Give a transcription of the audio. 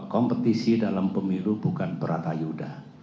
kompetisi dalam pemilu bukan perata yuda